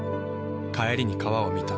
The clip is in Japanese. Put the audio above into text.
帰りに川を見た。